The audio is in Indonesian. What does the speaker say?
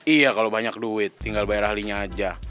iya kalau banyak duit tinggal bayar ahlinya aja